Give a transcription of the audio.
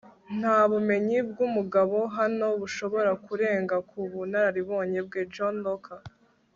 nta bumenyi bw'umugabo hano bushobora kurenga ku bunararibonye bwe. - john locke